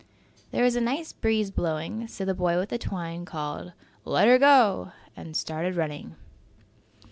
There was a nice breeze blowing, so the boy with the twine called, "Let 'er go" and started running.